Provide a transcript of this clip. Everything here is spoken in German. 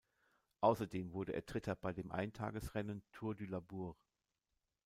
Außerdem wurde er Dritter bei dem Eintagesrennen Tour du Labourd.